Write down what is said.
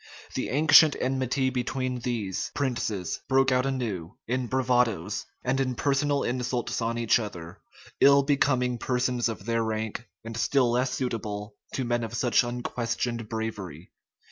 The ancient enmity between these, princes broke out anew in bravadoes, and in personal insults on each other, ill becoming persons of their rank, and still less suitable to men of such unquestioned bravery.